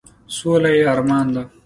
سوله یې ارمان دی ،.